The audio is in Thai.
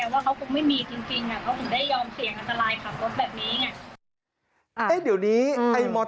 เขาไม่มีจริงค่ะเขาถึงได้ยอมเสียงอัตรายขับรถแบบนี้